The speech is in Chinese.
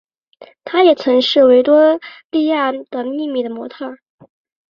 她也曾经是维多利亚的秘密的模特儿。